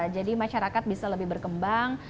jadi masyarakat bisa lebih berkembang